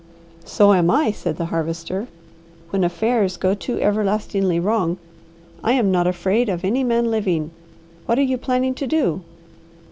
"So am I," said the Harvester, "when affairs go too everlastingly wrong. I am not afraid of any man living. What are you planning to do?"